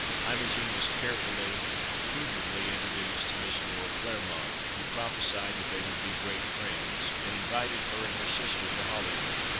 Imogen was carefully, prudently, introduced to Miss Laura Claremont, who prophesied that they would be great friends, and invited her and her sister to Hollywood.